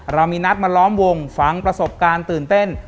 เรามีนัดมาล้อมวงฝังประสบการณ์ตื่นเต้น